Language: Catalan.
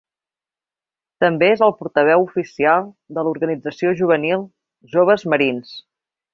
També és el portaveu oficial de l'organització juvenil "Joves Marins".